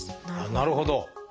なるほど！